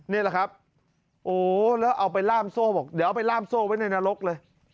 นี่แหละครับโอ้แล้วเอาไปล่ามโซ่บอกเดี๋ยวเอาไปล่ามโซ่ไว้ในนรกเลย